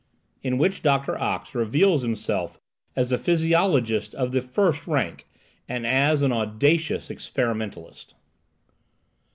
IN WHICH DOCTOR OX REVEALS HIMSELF AS A PHYSIOLOGIST OF THE FIRST RANK, AND AS AN AUDACIOUS EXPERIMENTALIST.